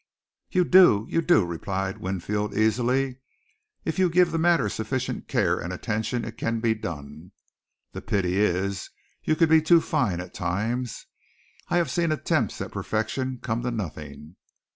"You do, you do," replied Winfield, easily. "If you give the matter sufficient care and attention it can be done. The pity is you can be too fine at times. I have seen attempts at perfection come to nothing.